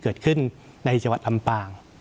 เกิดขึ้นในจังหวัดลำปาง